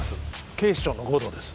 警視庁の護道です